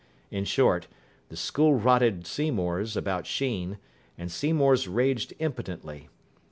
In short, the school rotted Seymour's about Sheen, and Seymour's raged impotently.